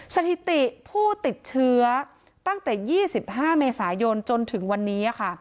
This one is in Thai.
สถิติผู้ติดเชื้อตั้งแต่๒๕เมษายนจนถึงวันนี้